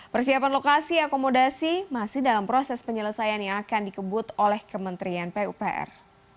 persiapan lokasi akomodasi masih dalam proses penyelesaian yang akan dikebut oleh kementerian pupr